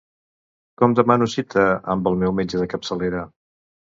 Com demano cita amb el meu metge de capçalera?